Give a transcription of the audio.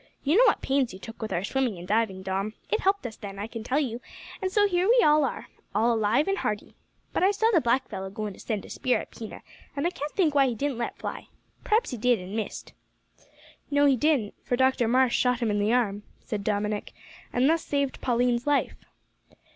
You know what pains you took with our swimming and diving, Dom; it helped us then, I can tell you; and so here we are, all alive and hearty. But I saw the black fellow goin' to send a spear at Pina, and can't think why he didn't let fly. P'r'aps he did, and missed." "No, he didn't; for Dr Marsh shot him in the arm," said Dominick, "and thus saved Pauline's life."